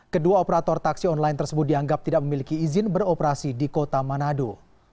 kedua operator taksi online tersebut dianggap tidak memiliki izin beroperasi di kota manado